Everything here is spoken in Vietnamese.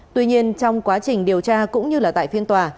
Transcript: tuy nhiên trong quá trình điều tra cũng như là tại phiên tòa